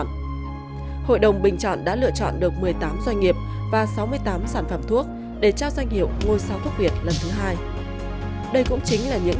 chung đối với sản phẩm thuốc sản xuất trong nước